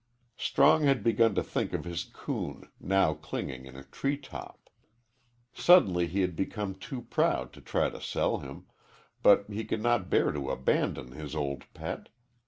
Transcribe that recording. Strong had begun to think of his coon, now clinging in a tree top. Suddenly he had become too proud to try to sell him, but he could not bear to abandon his old pet.